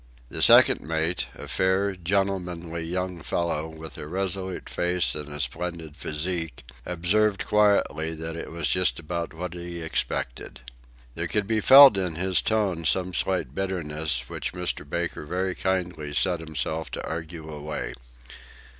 The second mate, a fair, gentlemanly young fellow, with a resolute face and a splendid physique, observed quietly that it was just about what he expected. There could be felt in his tone some slight bitterness which Mr. Baker very kindly set himself to argue away.